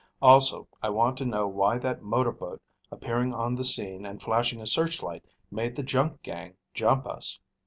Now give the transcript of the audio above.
Also, I want to know why that motorboat appearing on the scene and flashing a searchlight made the junk gang jump us."